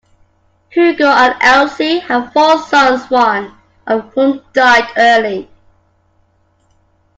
Hugo and Else had four sons, one of whom died early.